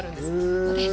ここです。